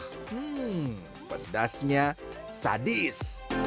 hmm pedasnya sadis